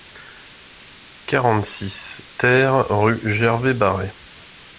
quarante-six TER rue Gervais Barret